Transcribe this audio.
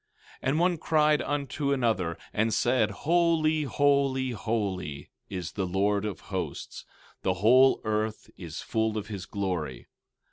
16:3 And one cried unto another, and said: Holy, holy, holy, is the Lord of Hosts; the whole earth is full of his glory.